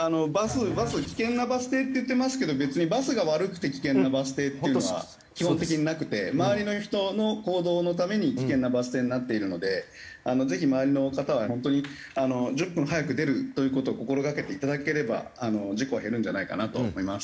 バス危険なバス停って言ってますけど別にバスが悪くて危険なバス停っていうのは基本的になくて周りの人の行動のために危険なバス停になっているのでぜひ周りの方は本当に１０分早く出るという事を心掛けていただければ事故は減るんじゃないかなと思います。